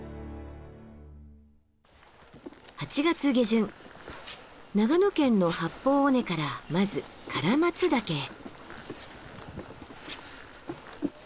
８月下旬長野県の八方尾根からまず唐松岳へ。